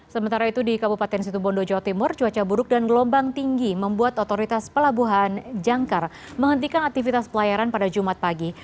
sementara itu di kabupaten situbondo jawa timur cuaca buruk dan gelombang tinggi membuat otoritas pelabuhan jangkar menghentikan aktivitas pelayaran pada jumat pagi